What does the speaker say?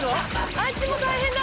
あっちも大変だ！